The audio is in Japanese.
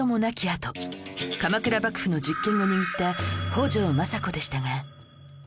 あと鎌倉幕府の実権を握った北条政子でしたが